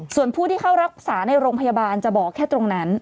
ส่วนผู้ที่เข้ารักษาในโรงพยาบาลจะบอกแค่ตรงนั้น